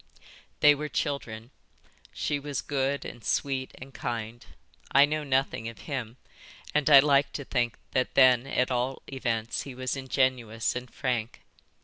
"They were children. She was good and sweet and kind. I know nothing of him, and I like to think that then at all events he was ingenuous and frank.